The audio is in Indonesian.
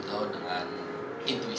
dia bukan hanya seniman gue